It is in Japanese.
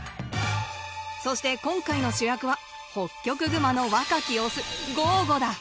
そして今回の主役はホッキョクグマの若きオスゴーゴだ！